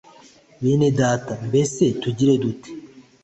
bene data mbese tugire dute